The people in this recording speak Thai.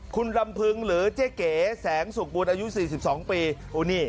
คุณลำพึงหรือเจ๊เก๋แสงสุขบุญอายุ๔๒ปีโอ้นี่